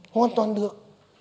hoàn toàn được